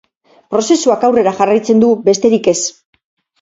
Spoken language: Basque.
Prozesuak aurrera jarraitzen du, besterik ez.